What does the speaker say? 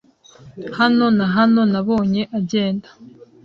Hano na hano nabonye agenda